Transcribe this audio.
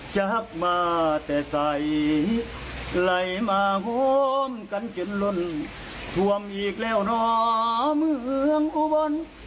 จากมาแต่ใสไหลมาหอมกันจนล่นท่วมอีกแล้วหนอเมืองอุบล